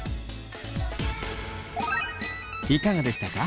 いかがでしたか？